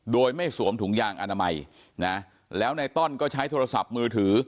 โดยไม่สวมถุงยางอนามัยนะแล้วในต้อนก็ใช้โทรศัพท์มือถือ